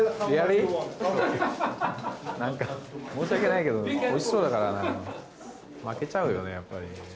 申し訳ないけどおいしそうだから負けちゃうようね、やっぱり。